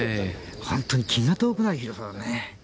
本当に気が遠くなる広さだね。